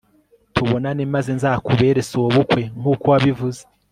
tubonane maze nzakubere sobukwe nk'uko wabivuze